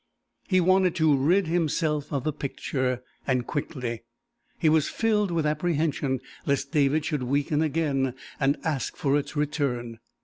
He wanted to rid himself of the picture, and quickly. He was filled with apprehension lest David should weaken again, and ask for its return.